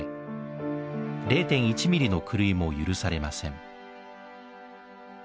０．１ミリの狂いも許されません